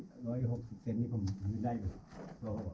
พี่แล้วโปโปเสียงมันเปิดไหมวะ